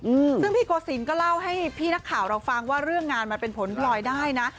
อืมซึ่งพี่โกศิลป์ก็เล่าให้พี่นักข่าวเราฟังว่าเรื่องงานมันเป็นผลพลอยได้นะ